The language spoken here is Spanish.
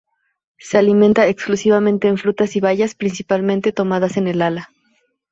Se alimenta exclusivamente en frutas y bayas, principalmente tomadas en el ala.